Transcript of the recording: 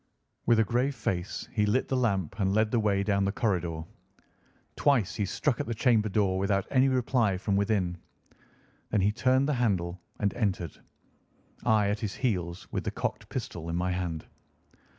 With a grave face he lit the lamp and led the way down the corridor. Twice he struck at the chamber door without any reply from within. Then he turned the handle and entered, I at his heels, with the cocked pistol in my hand.